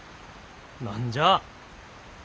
何じゃあ。